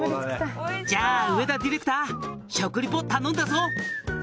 「じゃあ上田ディレクター食リポ頼んだぞ！」